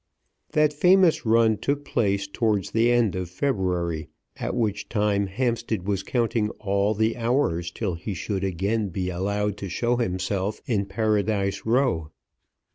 That famous run took place towards the end of February, at which time Hampstead was counting all the hours till he should again be allowed to show himself in Paradise Row.